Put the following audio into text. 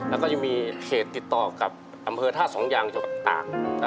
แล้วก็ยังมีเขตติดต่อกับอำเภอท่าสองยางจังหวัดตาก